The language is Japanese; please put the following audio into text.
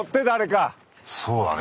そうだね。